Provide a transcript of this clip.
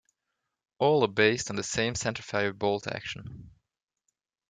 All are based on the same centerfire bolt action.